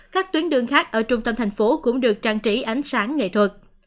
các tuyến đường khác ở trung tâm thành phố cũng được trang trí ánh sáng nghệ thuật